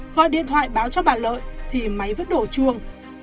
gọi điện thoại báo cho bà lợi thì máy vẫn đổ chuông